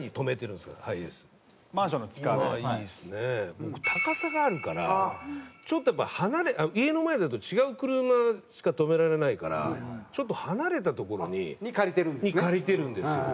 僕高さがあるからちょっとやっぱり家の前だと違う車しか止められないからちょっと離れた所に。に借りてるんですね？